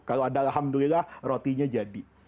kalau ada alhamdulillah rotinya jadi